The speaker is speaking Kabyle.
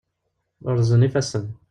Urzen yifassen.